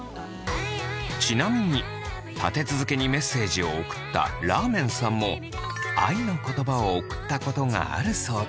ちなみに立て続けにメッセージを送ったらーめんさんも愛の言葉を送ったことがあるそうで。